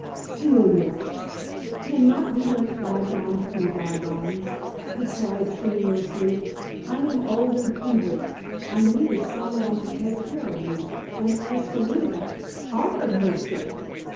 "Celia, can not you let by gones be by gones?" he cried, tremulously. "I am old and feeble. I needed some one to take care of me, and as Serena " "Offered herself?